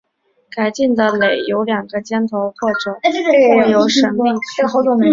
改进的耒有两个尖头或有省力曲柄。